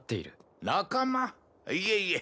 いえいえ。